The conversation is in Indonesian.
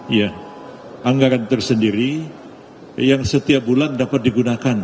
iya anggaran tersendiri yang setiap bulan dapat digunakan